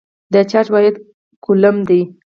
د چارج واحد کولم دی.